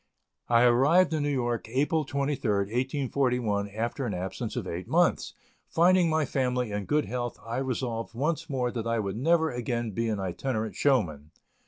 I arrived in New York, April 23rd, 1841, after an absence of eight months; finding my family in good health, I resolved once more that I would never again be an itinerant showman.